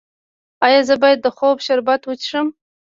ایا زه باید د خوب شربت وڅښم؟